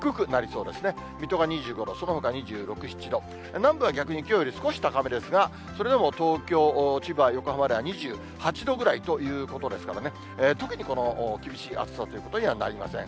水戸が２５度、そのほか２６、７度、南部は逆にきょうより少し高めですが、それでも東京、千葉、横浜では２８度ぐらいということですからね、特に厳しい暑さということにはなりません。